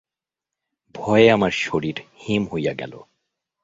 ভয়ে আমার শরীর হিম হইয়া গেল।